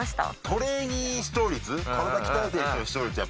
トレイニー視聴率。